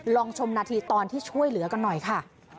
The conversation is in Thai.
ชมนาทีตอนที่ช่วยเหลือกันหน่อยค่ะ